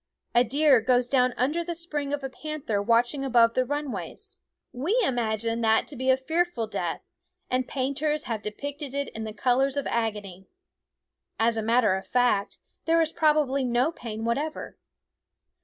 A deer goes down under the spring of a panther watching above the runways. We imagine that to be a fearful death, and painters have depicted it in the colors of agony. As a matter of fact, there is prob ably no pain whatever.